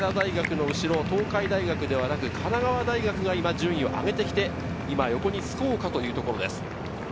早稲田大学の後ろ、東海大学ではなく神奈川大学が今、順位を上げてきて今、横につこうかというところです。